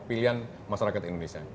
pilihan masyarakat indonesia